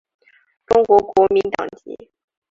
中国国民党籍。